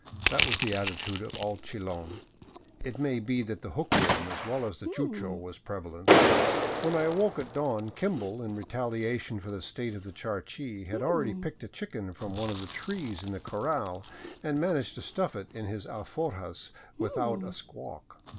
That was the attitude of all Chilon. It may be that the hookworm, as well as the chucho, was prevalent. When I awoke at dawn, Kimball, in retaHation for the state of the charqui, had already picked a chicken from one of the trees in the corral and managed to stuff it into his alforjas without a squawk.